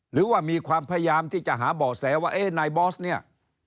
หรือว่ามีความพยายามที่จะหาเบาะแสว่าเอ๊ะนายบอสเนี่ย